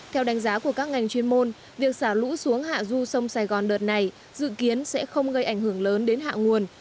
theo đánh giá của các ngành chuyên môn việc xả lũ xuống hạ du sông sài gòn đợt này dự kiến sẽ không gây ảnh hưởng lớn đến hạ nguồn